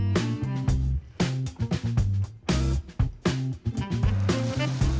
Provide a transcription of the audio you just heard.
เป็นไหว่ข้าแล้วนะครับ